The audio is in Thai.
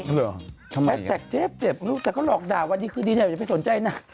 ทำไมอย่างนี้พี่เหรอทำไมอย่างนี้แป๊บแสกเจ็บแต่ก็หลอกด่าวันนี้คืนนี้ไม่สนใจนะ